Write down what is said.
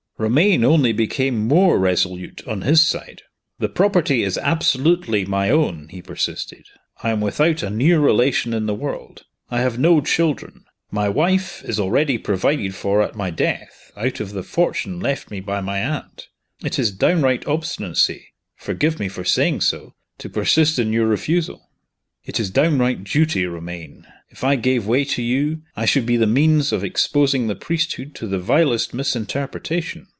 Romayne only became more resolute on his side. "The property is absolutely my own," he persisted. "I am without a near relation in the world. I have no children. My wife is already provided for at my death, out of the fortune left me by my aunt. It is downright obstinacy forgive me for saying so to persist in your refusal." "It is downright duty, Romayne. If I gave way to you, I should be the means of exposing the priesthood to the vilest misinterpretation.